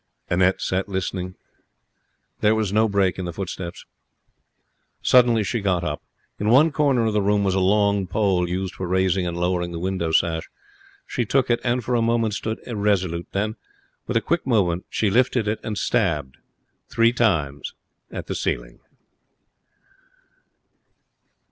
Annette sat listening. There was no break in the footsteps. Suddenly she got up. In one corner of the room was a long pole used for raising and lowering the window sash. She took it, and for a moment stood irresolute. Then with a quick movement, she lifted it and stabbed three times at the ceiling.